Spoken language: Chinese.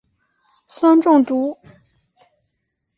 酸中毒。